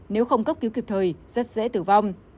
nếu không cấp cứu kịp thời rất dễ tử vong